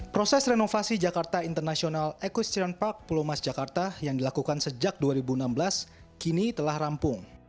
proses renovasi jakarta international equestrian park pulau mas jakarta yang dilakukan sejak dua ribu enam belas kini telah rampung